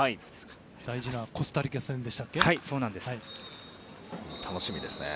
大事なコスタリカ戦ですね。